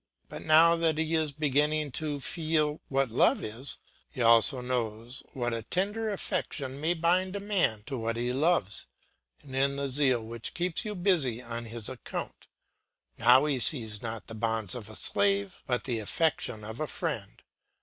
But now that he is beginning to feel what love is, he also knows what a tender affection may bind a man to what he loves; and in the zeal which keeps you busy on his account, he now sees not the bonds of a slave, but the affection of a friend.